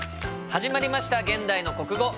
始まりました「現代の国語」。